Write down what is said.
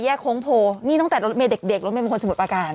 แยกโพทนี่ตั้งแต่เราไม่มีคนสมุทรประการ